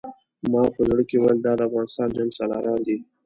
ما په زړه کې ویل دا د افغانستان جنګسالاران دي.